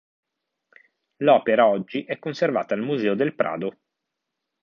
L'opera oggi è conservata al Museo del Prado.